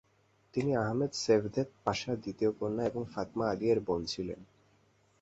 তিনি Ahmed Cevdet পাশার দ্বিতীয় কন্যা এবং ফাতমা আলিয়ের বোন ছিলেন।